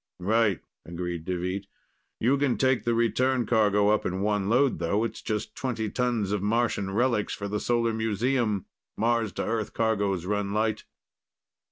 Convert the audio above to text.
"Right," agreed Deveet. "You can take the return cargo up in one load, though. It's just twenty tons of Martian relics for the Solar Museum. Mars to Earth cargos run light."